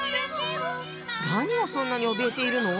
何をそんなにおびえているの？